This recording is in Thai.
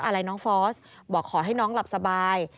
อะไรน้องฟอสบอกขอให้น้องหลับสบาย